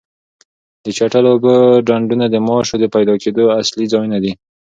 د چټلو اوبو ډنډونه د ماشو د پیدا کېدو اصلي ځایونه دي.